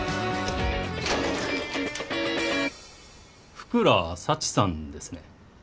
福良幸さんですね？